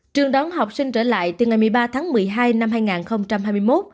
trường đón học sinh trở lại từ ngày một mươi ba tháng một mươi hai năm hai nghìn hai mươi một